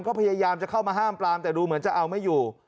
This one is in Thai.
ก็พยายามจะเข้ามาห้ามปลามแต่ดูเหมือนจะเอาไม่อยู่